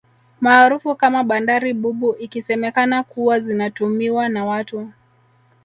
Maarufu kama bandari bubu ikisemekana kuwa zinatumiwa na watu